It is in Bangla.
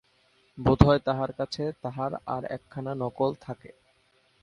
বোধ হয় তাহার কাছে তাহার আর একখানা নকল থাকে।